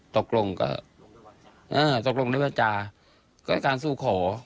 ตกลงก็ตกลงได้ว่าจาก็การสู้ขอ